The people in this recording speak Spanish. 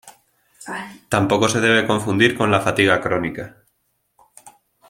Tampoco se debe confundir con la fatiga crónica.